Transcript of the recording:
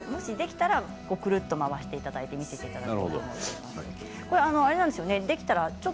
最後できたらぐるっと回していただいて見せていただいて。